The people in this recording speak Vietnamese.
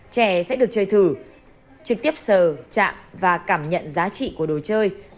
trẻ sẽ được chơi thử trực tiếp sờ chạm và cảm nhận giá trị của đồ chơi